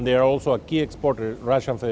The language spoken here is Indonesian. dan itu adalah tempat terkenal covid sembilan belas